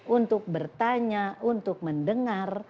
untuk bertanya untuk mendengar